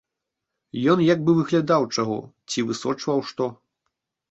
Ён як бы выглядаў чаго цi высочваў што.